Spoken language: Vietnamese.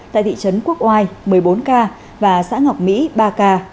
tại thị trấn quốc oai một mươi bốn ca và xã ngọc mỹ ba ca